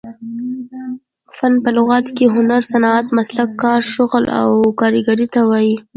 فن په لغت کښي هنر، صنعت، مسلک، کار، شغل او کاریګرۍ ته وايي.